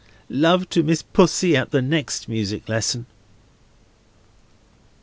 Love to Miss Pussy at the next music lesson."